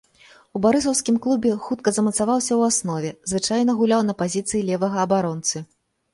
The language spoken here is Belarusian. У барысаўскім клубе хутка замацаваўся ў аснове, звычайна гуляў на пазіцыі левага абаронцы.